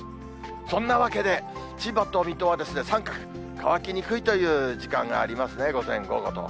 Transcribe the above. そんなわけで、千葉と水戸は三角、乾きにくいという時間がありますね、午前、午後と。